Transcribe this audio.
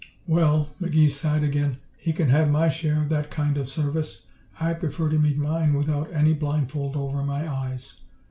"Well," McGee sighed again, "he can have my share of that kind of service. I prefer to meet mine without any blindfold over my eyes.